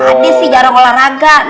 ini sih jarang olahraga